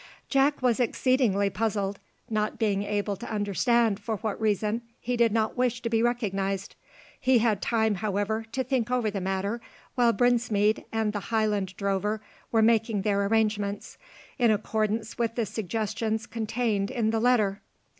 Jack was exceedingly puzzled, not being able to understand for what reason he did not wish to be recognised. He had time, however, to think over the matter while Brinsmead and the Highland drover were making their arrangements, in accordance with the suggestions contained in the letter.